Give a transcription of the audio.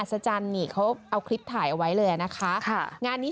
สจันทร์นี่เขาเอาคลิปถ่ายเอาไว้เลยอ่ะนะคะค่ะงานนี้